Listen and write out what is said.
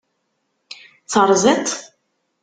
Terẓid-t?